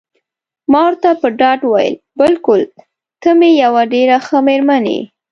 ما ورته په ډاډ وویل: بلکل ته مې یوه ډېره ښه میرمن یې.